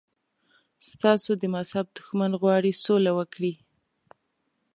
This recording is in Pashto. ستاسو د مذهب دښمن غواړي سوله وکړي.